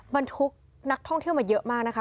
บรรทุกนักท่องเที่ยวมาเยอะมากนะคะ